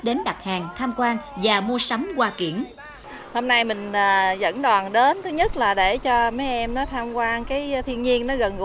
đến đặt hàng tham quan và mua sắm quà kiển